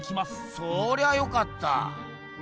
そりゃよかった。